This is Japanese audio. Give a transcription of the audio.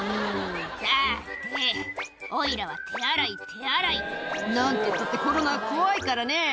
「さておいらは手洗い手洗い」「何てったってコロナは怖いからね」